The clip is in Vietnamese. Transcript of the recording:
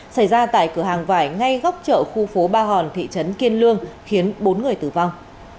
xảy ra tại cửa hàng vải ngay góc chợ khu phố ba hòn tp hcm khiến bốn người tử vong